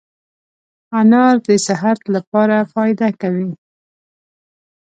انار دي صحت لپاره فایده کوي